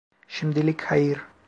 Şimdilik hayır.